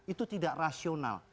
itu tidak rasional